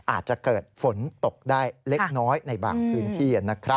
อาจจะเกิดฝนตกได้เล็กน้อยในบางพื้นที่นะครับ